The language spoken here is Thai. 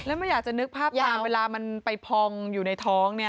แล้วไม่อยากจะนึกภาพตามเวลามันไปพองอยู่ในท้องเนี่ย